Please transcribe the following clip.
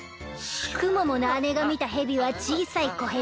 クモモの姉が見たヘビは小さい小ヘビ。